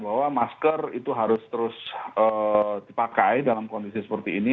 bahwa masker itu harus terus dipakai dalam kondisi seperti ini